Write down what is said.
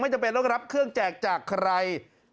จำเป็นต้องรับเครื่องแจกจากใคร